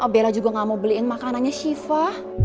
bella juga gak mau beliin makanannya shiva